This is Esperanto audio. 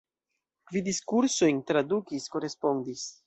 Gvidis kursojn, tradukis, korespondis.